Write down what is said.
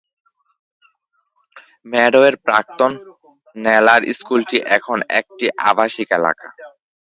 "মেডওয়ে"র প্রাক্তন নেলার স্কুলটি এখন একটি আবাসিক এলাকা।